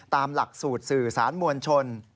ตามหลักสูตรสื่อสารมวลชน